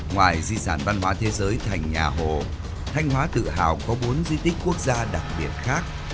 ngoài di sản văn hóa thế giới thành nhà hồ thanh hóa tự hào có bốn di tích quốc gia đặc biệt khác